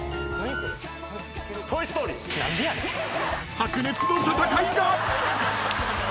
［白熱の戦いが！］